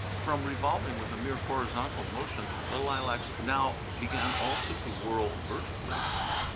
From revolving with a mere horizontal motion the lilacs now began also to whirl vertically.